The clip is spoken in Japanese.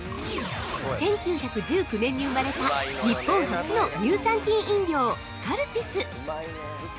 ◆１９１９年に生まれた日本初の乳酸菌飲料、カルピス。